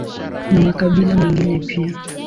Kuna makabila mengine pia.